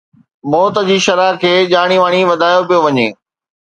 موت جي شرح کي ڄاڻي واڻي وڌايو پيو وڃي